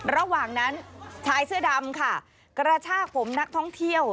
ระหว่างนั้นชายเสื้อดำค่ะกระชากผมนักท่องเที่ยว